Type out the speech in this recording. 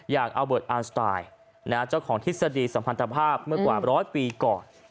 อัลเบิร์ตอาร์สไตล์เจ้าของทฤษฎีสัมพันธภาพเมื่อกว่าร้อยปีก่อน